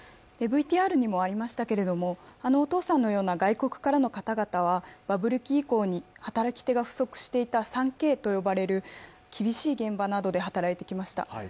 ＶＴＲにもありましたけれどもあのお父さんのような外国からの方々はバブル期以降に働き手が不足していた３Ｋと呼ばれる厳しい現場などで働いてきました。